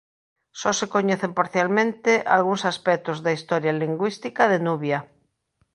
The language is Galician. Só se coñecen parcialmente algúns aspectos da historia lingüística de Nubia.